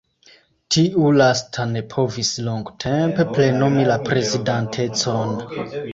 Tiu lasta ne povis longtempe plenumi la prezidantecon.